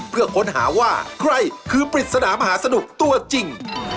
เพื่อค้นหาว่าใครคือปริศนามหาสนุกตัวจริง